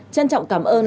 trân trọng cảm ơn